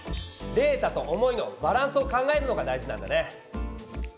「データ」と「思い」のバランスを考えるのが大事なんだね！